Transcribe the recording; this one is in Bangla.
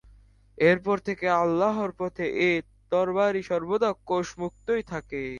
এরপর থেকে আল্লাহর পথে এ তরবারি সর্বদা কোষমুক্তই থাকে।